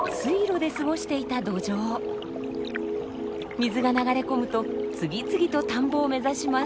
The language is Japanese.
水が流れ込むと次々と田んぼを目指します。